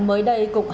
mới đây cùng hà nội